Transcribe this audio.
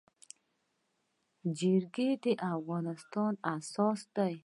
جرګي د افغانستان اساس دی.